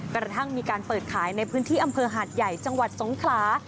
กระทั่งมีการเปิดขายในพื้นที่อำเภอหาดใหญ่จังหวัดสงขลา